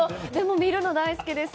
見るの大好きです。